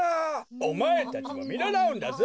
おまえたちもみならうんだぞ。